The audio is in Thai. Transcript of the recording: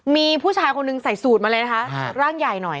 มีผู้ชายคนหนึ่งใส่สูตรมาเลยนะคะร่างใหญ่หน่อย